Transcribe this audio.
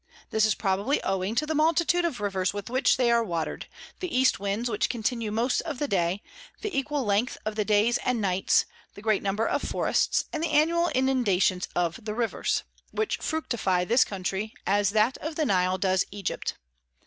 This is probably owing to the multitude of Rivers with which they are water'd, the East Winds which continue most of the day, the equal Length of the Days and Nights, the great numbers of Forests, and the annual Inundations of the Rivers, which fructify this Country, as that of the Nile does Egypt.